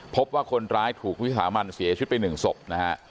พบว่าคนร้ายถูกวิสามันเสียชีวิตไป๑ศพนะฮะ